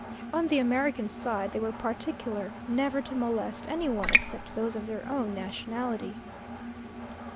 On the American side they were particular never to molest any one except those of their own nationality.